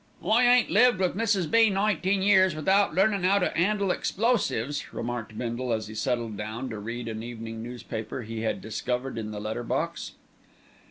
"I ain't lived with Mrs. B. nineteen years without learnin' 'ow to 'andle explosives," remarked Bindle as he settled down to read an evening newspaper he had discovered in the letter box.